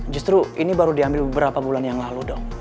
justru ini baru diambil beberapa bulan yang lalu dong